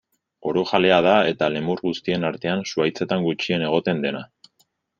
Orojalea da eta lemur guztien artean zuhaitzetan gutxien egoten dena.